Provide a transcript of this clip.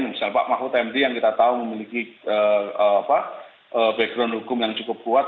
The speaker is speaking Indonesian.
misalnya pak mahfud md yang kita tahu memiliki background hukum yang cukup kuat